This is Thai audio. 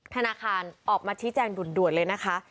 ธนาคารออกมาชี้แจงด่วนเลยนะคะ